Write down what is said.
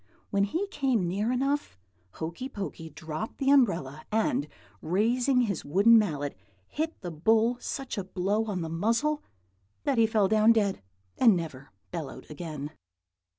When he came near enough, Hokey Pokey dropped the umbrella, and raising his wooden mallet hit the bull such a blow on the muzzle that he fell down dead, and never bellowed again.